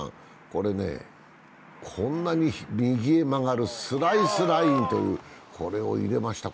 これね、こんなに右へ曲がるスライスラインという、これを入れました。